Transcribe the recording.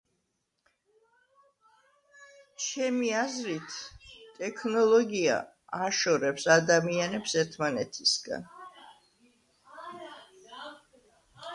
ჩემი აზრით, ტექნოლოგია აშორებს ადამიანებს ერთმანეთისგან.